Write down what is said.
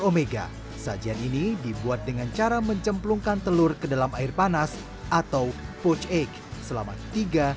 omega sajian ini dibuat dengan cara mencemplungkan telur ke dalam air panas atau poch egg selama tiga